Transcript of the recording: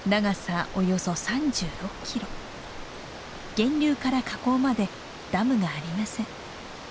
源流から河口までダムがありません。